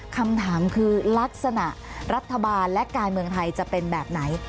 คำถามคือลักษณะรัฐบาลและการเมืองไทยจะเป็นแบบไหน